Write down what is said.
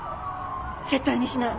絶対にしない！